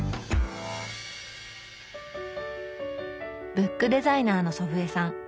ブックデザイナーの祖父江さん。